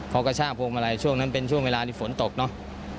พอกระชากพวงมาลัยช่วงนั้นเป็นช่วงเวลาที่ฝนตกเนอะ